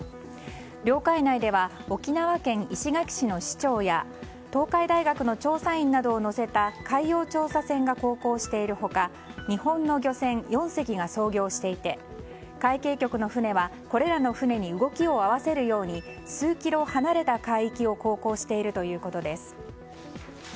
領海内では沖縄県石垣市の市長や東海大学の調査員などを乗せた海洋調査船が航行している他日本の漁船４隻が操業していて海警局の船は、これらの船に動きを合わせるように数キロ離れた海域を航行しているということです。